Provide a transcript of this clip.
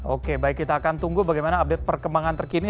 oke baik kita akan tunggu bagaimana update perkembangan terkini